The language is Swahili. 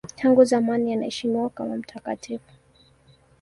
Tangu zamani anaheshimiwa kama mtakatifu.